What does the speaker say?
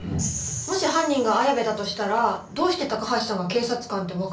もし犯人が綾部だとしたらどうして高橋さんが警察官ってわかったんですかね？